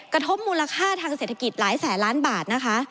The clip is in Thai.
กระทบมูลค่าทางเศรษฐกิจหลายแสนล้านบาทนะคะ